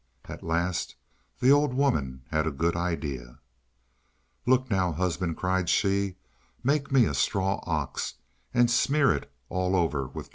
At last the old woman had a good idea: "Look now, husband," cried she, "make me a straw ox, and smear it all over with tar."